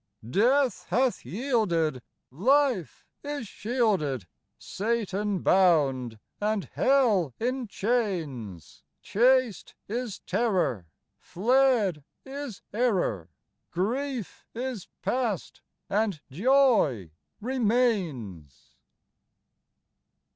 Death hath yielded, life is shielded, Satan bound, and hell in chains ; Chased is terror, fled is error, Grief is past, and joy remains.